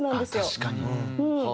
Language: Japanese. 確かに。